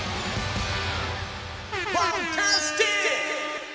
ファンタスティック！